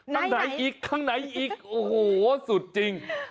ข้างไหนอีกข้างในอีกโอ้โหสุดจริง